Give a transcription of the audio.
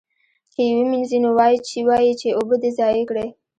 که یې ومینځي نو وایي یې چې اوبه دې ضایع کړې.